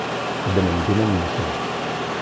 Qeddmen-d iman-nsen.